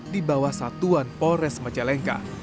di bawah satuan polres majalengka